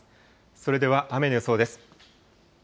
それでは雨の予想です。